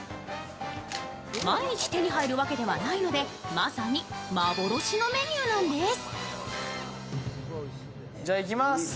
毎日手に入るわけではないのでまさに幻のメニューなんです。